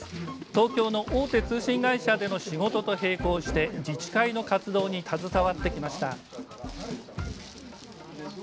東京の大手通信会社での仕事と並行して自治会の活動に携わってきました。